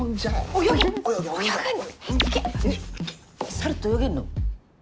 猿って泳げんの？